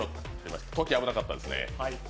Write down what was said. トキ危なかったですね。